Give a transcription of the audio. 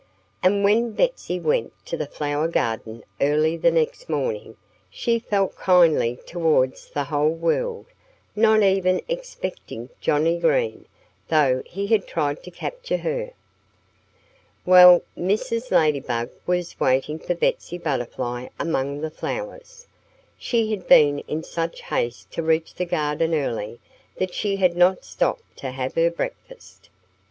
And when Betsy went to the flower garden early the next morning she felt kindly towards the whole world, not even excepting Johnnie Green, though he had tried to capture her. Well, Mrs. Ladybug was waiting for Betsy Butterfly among the flowers. She had been in such haste to reach the garden early that she had not stopped to have her breakfast.